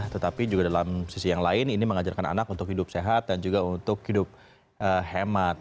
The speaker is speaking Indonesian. tetapi juga dalam sisi yang lain ini mengajarkan anak untuk hidup sehat dan juga untuk hidup hemat